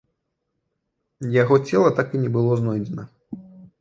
Яго цела так і не было знойдзена.